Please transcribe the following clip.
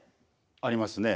ありますね。